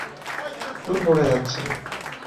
চুল পড়ে যাচ্ছে!